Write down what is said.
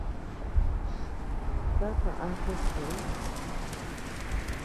¿Taka akud ju?